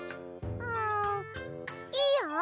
んいいよ。